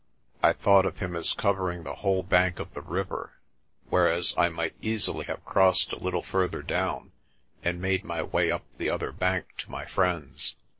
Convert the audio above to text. I thought of him as covering the whole bank of the river, whereas I might easily have crossed a little further down and made my way up the other bank to my friends.